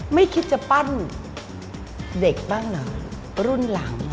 ไม่คิดจะปั้นเด็กบ้างเหรอรุ่นหลัง